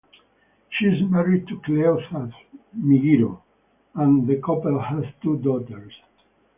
She is married to Cleophas Migiro, and the couple has two daughters.